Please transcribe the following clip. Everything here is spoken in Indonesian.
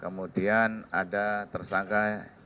kemudian ada tersangka